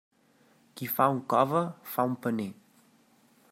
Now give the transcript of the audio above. Qui fa un cove, fa un paner.